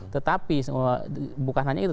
tetapi bukan hanya itu